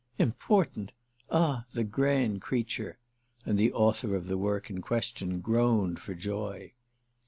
"Important! Ah the grand creature!"—and the author of the work in question groaned for joy.